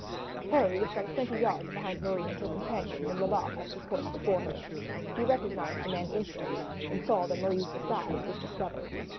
Harry was some twenty yards behind Marie and her companion when Lebat checked his horse before her. He recognized the man instantly, and saw that Marie's disguise was discovered.